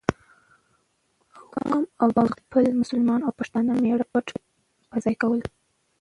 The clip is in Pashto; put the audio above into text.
او کام او د خپل مسلمان او پښتانه مېـړه پت په ځای کول،